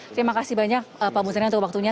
terima kasih banyak pak mustina untuk waktunya